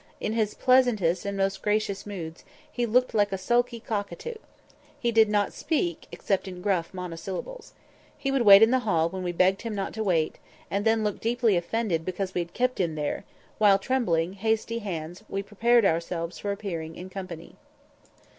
In his pleasantest and most gracious moods he looked like a sulky cockatoo. He did not speak except in gruff monosyllables. He would wait in the hall when we begged him not to wait, and then look deeply offended because we had kept him there, while, with trembling, hasty hands we prepared ourselves for appearing in company.